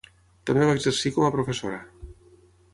També va exercir com a professora.